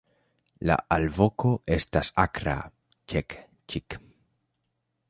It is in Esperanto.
La alvoko estas akra "ĉek-ĉik".